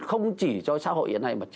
không chỉ cho xã hội hiện nay mà